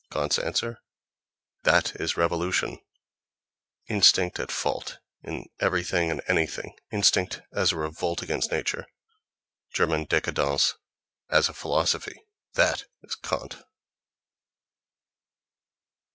Kant's answer: "That is revolution." Instinct at fault in everything and anything, instinct as a revolt against nature, German décadence as a philosophy—that is Kant!